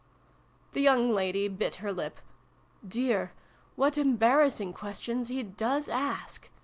The young lady bit her lip. " Dear ! What embarrassing questions he does ask